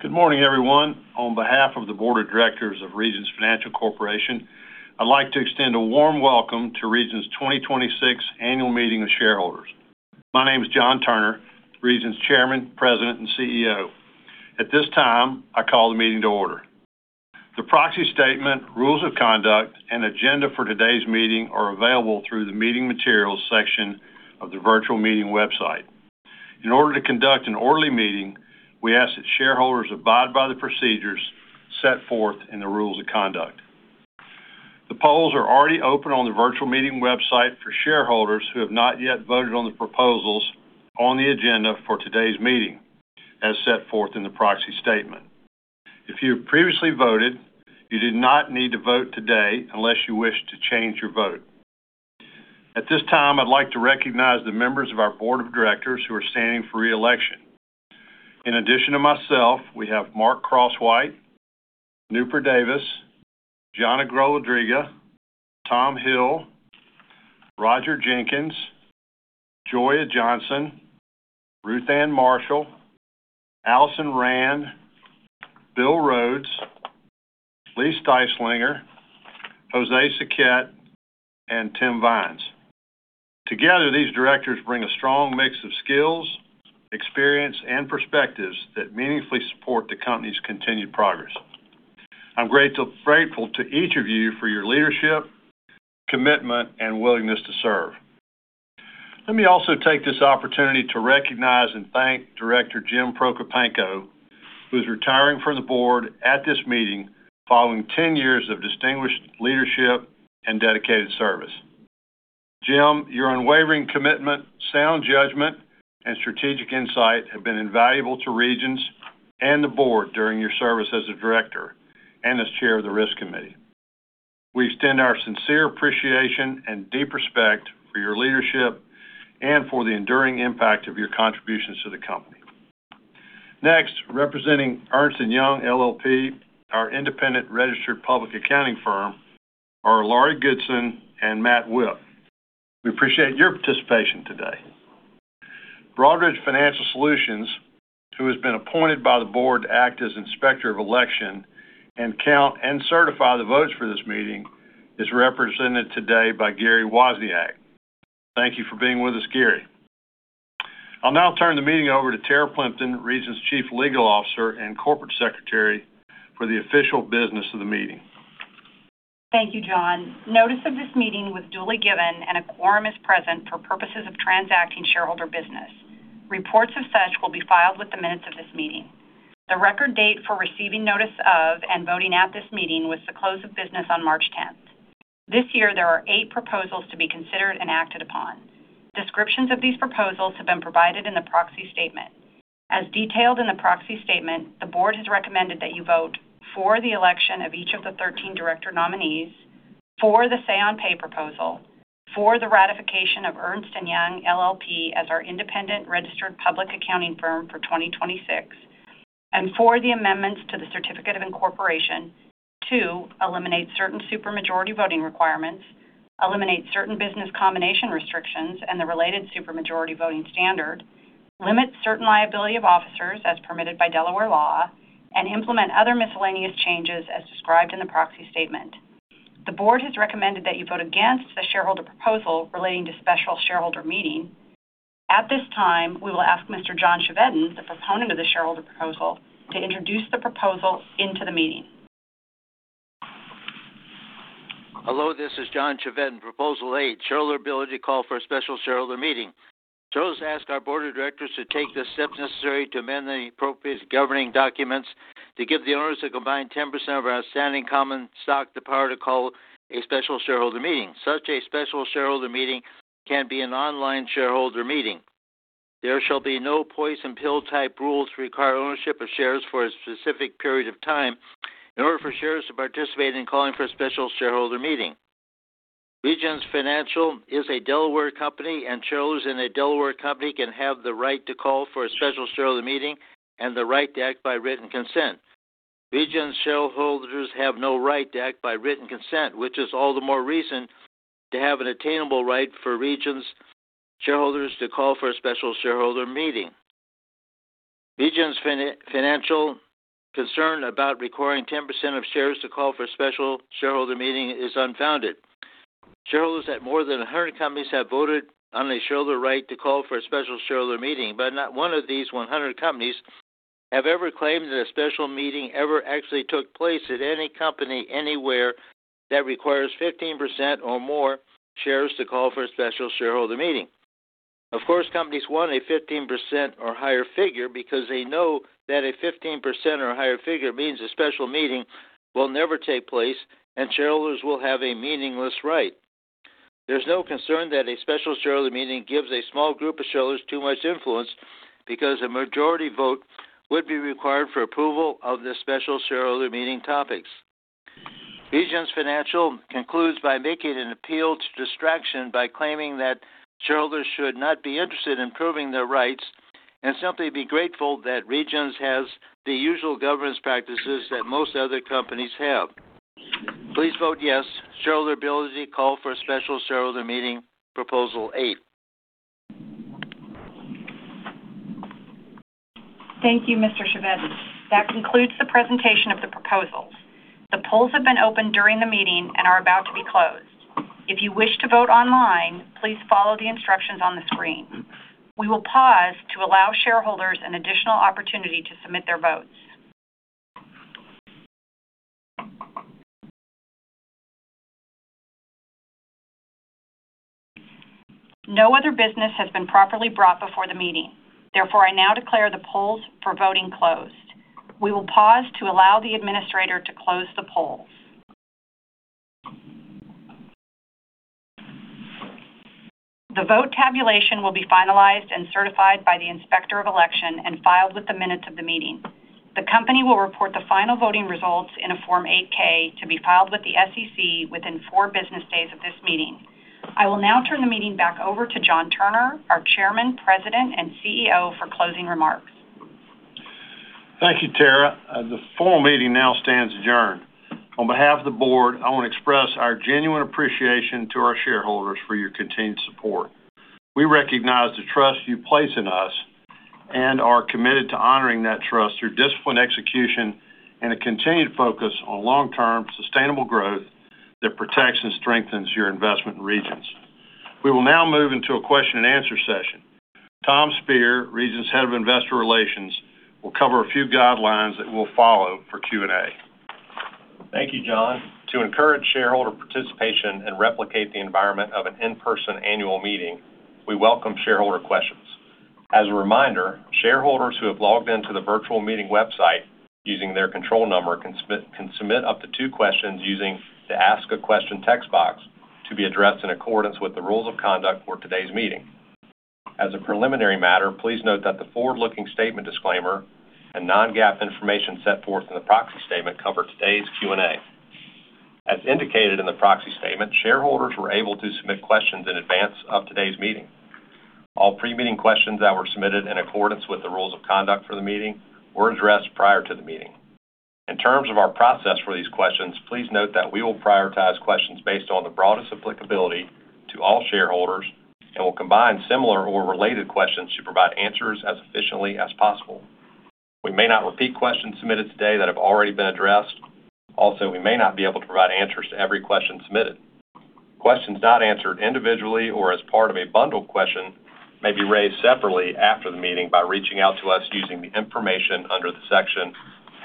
Good morning, everyone. On behalf of the Board of Directors of Regions Financial Corporation, I'd like to extend a warm welcome to Regions 2026 Annual Meeting of Shareholders. My name is John Turner, Regions Chairman, President, and CEO. At this time, I call the meeting to order. The proxy statement, rules of conduct, and agenda for today's meeting are available through the Meeting Materials section of the Virtual Meeting website. In order to conduct an orderly meeting, we ask that shareholders abide by the procedures set forth in the rules of conduct. The polls are already open on the Virtual Meeting website for shareholders who have not yet voted on the proposals on the agenda for today's meeting, as set forth in the proxy statement. If you have previously voted, you do not need to vote today unless you wish to change your vote. At this time, I'd like to recognize the members of our board of directors who are standing for re-election. In addition to myself, we have Mark Crosswhite, Noopur Davis, Zhanna Golodryga, Tom Hill, Roger Jenkins, Joia Johnson, Ruth Ann Marshall, Alison Rand, Will Rhodes, Lee Styslinger, José Suquet, and Tim Vines. Together, these directors bring a strong mix of skills, experience, and perspectives that meaningfully support the company's continued progress. I'm grateful to each of you for your leadership, commitment, and willingness to serve. Let me also take this opportunity to recognize and thank Director Jim Prokopanko, who is retiring from the board at this meeting following 10 years of distinguished leadership and dedicated service. Jim, your unwavering commitment, sound judgment, and strategic insight have been invaluable to Regions and the board during your service as a director and as chair of the Risk Committee. We extend our sincere appreciation and deep respect for your leadership and for the enduring impact of your contributions to the company. Next, representing Ernst & Young LLP, our independent registered public accounting firm, are Laurie Goodson and Matt Wipf. We appreciate your participation today. Broadridge Financial Solutions, who has been appointed by the board to act as Inspector of Election and count and certify the votes for this meeting, is represented today by Gary Wozniak. Thank you for being with us, Gary. I'll now turn the meeting over to Tara Plimpton, Regions Chief Legal Officer and Corporate Secretary, for the official business of the meeting. Thank you, John. Notice of this meeting was duly given, and a quorum is present for purposes of transacting shareholder business. Reports of such will be filed with the minutes of this meeting. The record date for receiving notice of and voting at this meeting was the close of business on March tenth. This year, there are eight proposals to be considered and acted upon. Descriptions of these proposals have been provided in the proxy statement. As detailed in the proxy statement, the board has recommended that you vote for the election of each of the 13 director nominees, for the say on pay proposal, for the ratification of Ernst & Young LLP as our independent registered public accounting firm for 2026, and for the amendments to the Certificate of Incorporation to eliminate certain super majority voting requirements, eliminate certain business combination restrictions and the related super majority voting standard, limit certain liability of officers as permitted by Delaware law, and implement other miscellaneous changes as described in the proxy statement. The board has recommended that you vote against the shareholder proposal relating to special shareholder meeting. At this time, we will ask Mr. John Chevedden, the proponent of the shareholder proposal, to introduce the proposal into the meeting. Hello, this is John Chevedden, Proposal eight, shareholder ability to call for a special shareholder meeting. Shareholders ask our board of directors to take the steps necessary to amend the appropriate governing documents to give the owners a combined 10% of our outstanding common stock the power to call a special shareholder meeting. Such a special shareholder meeting can be an online shareholder meeting. There shall be no poison pill type rules to require ownership of shares for a specific period of time in order for shareholders to participate in calling for a special shareholder meeting. Regions Financial is a Delaware company, shareholders in a Delaware company can have the right to call for a special shareholder meeting and the right to act by written consent. Regions shareholders have no right to act by written consent, which is all the more reason to have an attainable right for Regions shareholders to call for a special shareholder meeting. Regions Financial concern about requiring 10% of shares to call for special shareholder meeting is unfounded. Shareholders at more than 100 companies have voted on a shareholder right to call for a special shareholder meeting. Not one of these 100 companies have ever claimed that a special meeting ever actually took place at any company anywhere that requires 15% or more shares to call for a special shareholder meeting. Of course, companies want a 15% or higher figure because they know that a 15% or higher figure means a special meeting will never take place and shareholders will have a meaningless right. There's no concern that a special shareholder meeting gives a small group of shareholders too much influence because a majority vote would be required for approval of the special shareholder meeting topics. Regions Financial concludes by making an appeal to distraction by claiming that shareholders should not be interested in proving their rights and simply be grateful that Regions has the usual governance practices that most other companies have. Please vote yes. Shareholder ability to call for a special shareholder meeting, proposal eight. Thank you, Mr. Chevedden. That concludes the presentation of the proposals. The polls have been open during the meeting and are about to be closed. If you wish to vote online, please follow the instructions on the screen. We will pause to allow shareholders an additional opportunity to submit their votes. No other business has been properly brought before the meeting. Therefore, I now declare the polls for voting closed. We will pause to allow the administrator to close the polls. The vote tabulation will be finalized and certified by the Inspector of Election and filed with the minutes of the meeting. The company will report the final voting results in a Form 8-K to be filed with the SEC within four business days of this meeting. I will now turn the meeting back over to John Turner, our Chairman, President, and CEO, for closing remarks. Thank you, Tara. The formal meeting now stands adjourned. On behalf of the board, I want to express our genuine appreciation to our shareholders for your continued support. We recognize the trust you place in us and are committed to honoring that trust through disciplined execution and a continued focus on long-term sustainable growth that protects and strengthens your investment in Regions. We will now move into a question and answer session. Tom Speir, Regions Head of Investor Relations, will cover a few guidelines that we'll follow for Q&A. Thank you, John. To encourage shareholder participation and replicate the environment of an in-person annual meeting, we welcome shareholder questions. As a reminder, shareholders who have logged into the virtual meeting website using their control number can submit up to two questions using the ask a question text box to be addressed in accordance with the rules of conduct for today's meeting. As a preliminary matter, please note that the forward-looking statement disclaimer and non-GAAP information set forth in the proxy statement cover today's Q&A. As indicated in the proxy statement, shareholders were able to submit questions in advance of today's meeting. All pre-meeting questions that were submitted in accordance with the rules of conduct for the meeting were addressed prior to the meeting. In terms of our process for these questions, please note that we will prioritize questions based on the broadest applicability to all shareholders and will combine similar or related questions to provide answers as efficiently as possible. We may not repeat questions submitted today that have already been addressed. We may not be able to provide answers to every question submitted. Questions not answered individually or as part of a bundled question may be raised separately after the meeting by reaching out to us using the information under the section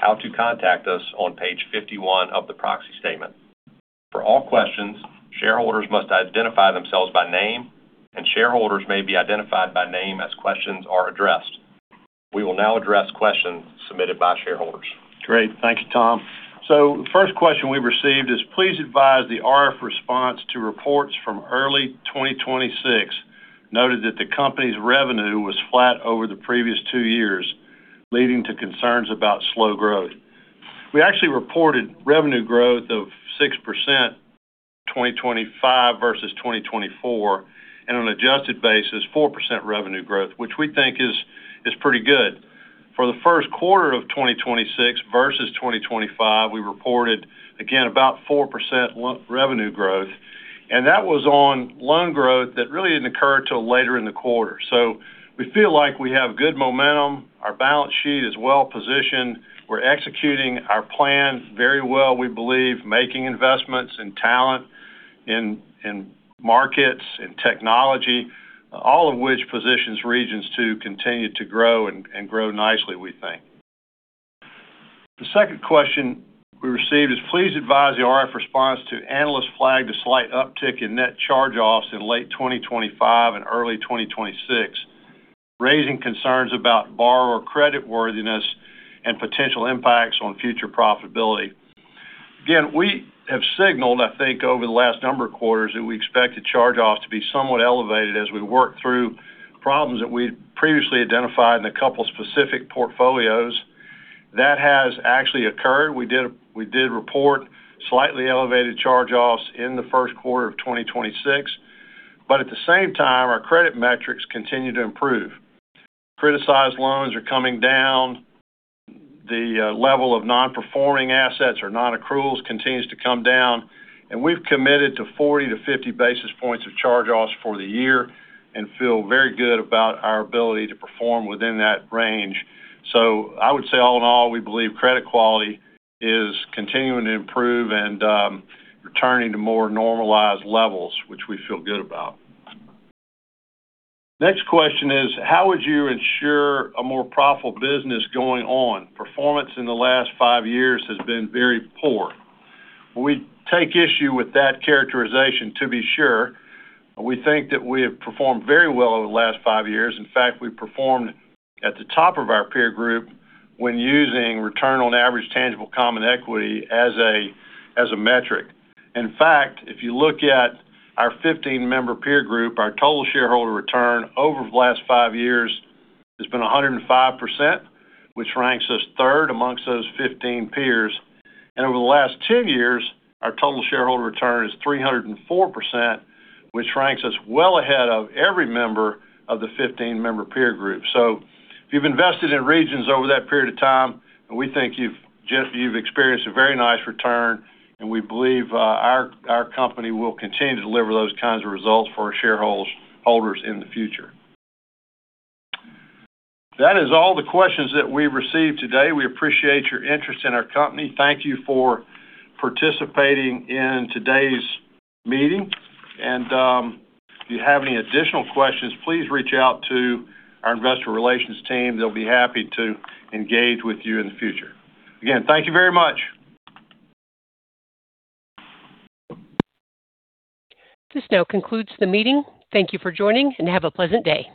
How to Contact Us on page 51 of the proxy statement. For all questions, shareholders must identify themselves by name, and shareholders may be identified by name as questions are addressed. We will now address questions submitted by shareholders. Great. Thank you, Tom. The first question we received is, "Please advise the RF response to reports from early 2026 noted that the company's revenue was flat over the previous two years, leading to concerns about slow growth." We actually reported revenue growth of 6% 2025 versus 2024, and on an adjusted basis, 4% revenue growth, which we think is pretty good. For the first quarter of 2026 versus 2025, we reported, again, about 4% revenue growth, and that was on loan growth that really didn't occur till later in the quarter. Our balance sheet is well-positioned. We're executing our plan very well, we believe, making investments in talent, in markets, in technology, all of which positions Regions to continue to grow and grow nicely, we think. The second question we received is, "Please advise the RF response to analyst flagged a slight uptick in net charge-offs in late 2025 and early 2026, raising concerns about borrower creditworthiness and potential impacts on future profitability." Again, we have signaled, I think, over the last number of quarters that we expect the charge-offs to be somewhat elevated as we work through problems that we'd previously identified in a couple of specific portfolios. That has actually occurred. We did report slightly elevated charge-offs in the first quarter of 2026. At the same time, our credit metrics continue to improve. Criticized loans are coming down. The level of non-performing assets or non-accruals continues to come down. We've committed to 40 to 50 basis points of charge-offs for the year and feel very good about our ability to perform within that range. I would say, all in all, we believe credit quality is continuing to improve and returning to more normalized levels, which we feel good about. Next question is, "How would you ensure a more profitable business going on? Performance in the last five years has been very poor." We take issue with that characterization, to be sure. We think that we have performed very well over the last five years. In fact, we performed at the top of our peer group when using return on average tangible common equity as a, as a metric. In fact, if you look at our 15-member peer group, our total shareholder return over the last five years has been 105%, which ranks us third amongst those 15 peers. Over the last two years, our total shareholder return is 304%, which ranks us well ahead of every member of the 15-member peer group. If you've invested in Regions over that period of time, we think you've experienced a very nice return, and we believe our company will continue to deliver those kinds of results for our shareholders in the future. That is all the questions that we received today. We appreciate your interest in our company. Thank you for participating in today's meeting. If you have any additional questions, please reach out to our investor relations team. They'll be happy to engage with you in the future. Again, thank you very much. This now concludes the meeting. Thank you for joining, and have a pleasant day.